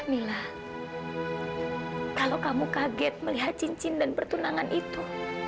mila kalau kamu kaget melihat cincin dan pertunangan itu